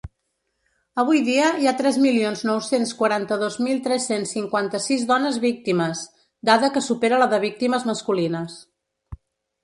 Avui dia hi ha tres milions nou-cents quaranta-dos mil tres-cents cinquanta-sis dones víctimes, dada que supera la de víctimes masculines.